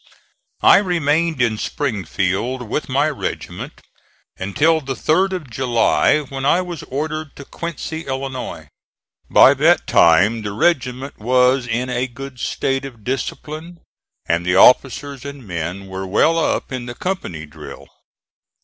I remained in Springfield with my regiment until the 3d of July, when I was ordered to Quincy, Illinois. By that time the regiment was in a good state of discipline and the officers and men were well up in the company drill.